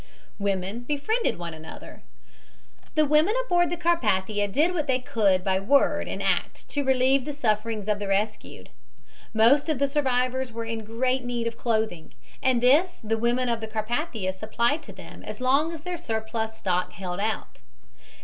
WOMEN BEFRIENDED ONE ANOTHER The women aboard the Carpathia did what they could by word and act to relieve the sufferings of the rescued. Most of the survivors were in great need of clothing, and this the women of the Carpathia supplied to them as long as their surplus stock held out.